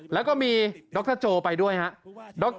แล้วก็มีดรโจไปด้วยครับ